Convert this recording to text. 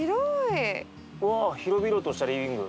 うわ広々としたリビング。